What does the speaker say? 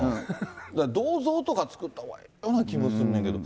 銅像とか作ったほうがええような気もするんだけど。